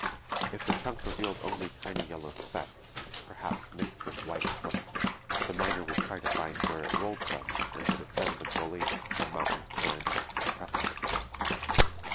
If the chunk revealed only tiny yellow specks, perhaps mixed with white quartz, the miner would try to find where it rolled from and would ascend the gully, or mountain torrent, or precipice.